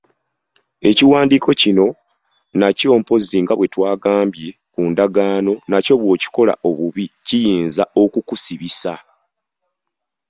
Ekiwandiiko kino nakyo mpozzi nga bwe twagambye ku ndagaano nakyo bw'okikola obubi kiyinza okukusibisa.